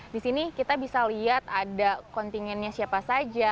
di sini kita bisa lihat ada kontingennya siapa saja